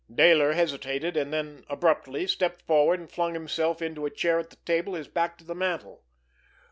Dayler hesitated; and then abruptly stepped forward and flung himself into a chair at the table, his back to the mantel.